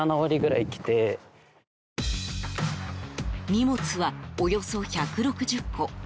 荷物はおよそ１６０個。